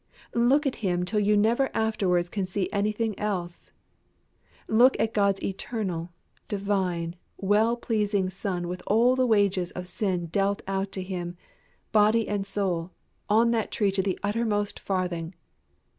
Look at Him till you never afterwards can see anything else. Look at God's Eternal, Divine, Well pleasing Son with all the wages of sin dealt out to Him, body and soul, on that tree to the uttermost farthing.